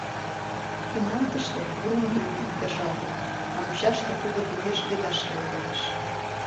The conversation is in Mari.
Тӱҥалтыште Врунгель ӱмбак кержалтыт, а мучаште тудо уэш «Бедашке» логалеш